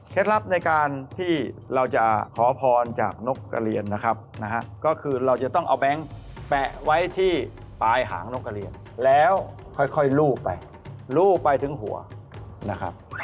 ลับในการที่เราจะขอพรจากนกกระเรียนนะครับนะฮะก็คือเราจะต้องเอาแบงค์แปะไว้ที่ปลายหางนกกระเรียนแล้วค่อยลูบไปลูบไปถึงหัวนะครับ